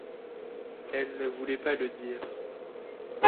Elle ne voulait pas le dire.